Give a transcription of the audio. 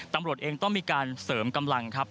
ตำรวจเองต้องมีการเสริมกำลังครับ